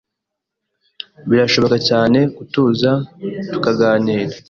Birashoboka cyane gutuza tukaganira